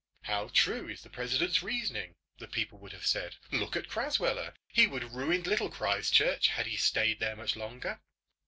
"How true is the president's reasoning," the people would have said. "Look at Crasweller; he would have ruined Little Christchurch had he stayed there much longer."